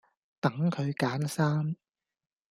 等佢揀衫